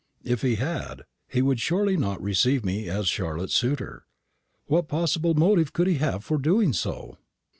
If he had, he would surely not receive me as Charlotte's suitor. What possible motive could he have for doing so?"